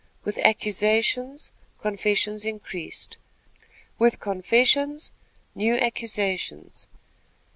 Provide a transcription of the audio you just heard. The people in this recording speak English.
With accusations, confessions increased; with confessions, new accusations.